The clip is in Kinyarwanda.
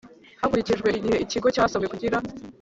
Hakurikijwe igihe ikigo cyasabye kugira